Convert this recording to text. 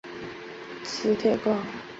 磁铁矿。